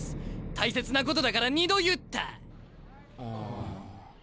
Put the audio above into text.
大切なことだから２度言った。